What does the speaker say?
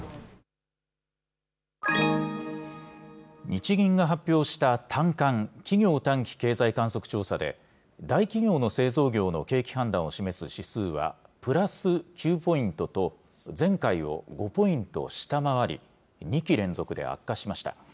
日銀が発表した短観・企業短期経済観測調査で、大企業の製造業の景気判断を示す指数はプラス９ポイントと、前回を５ポイント下回り、２期連続で悪化しました。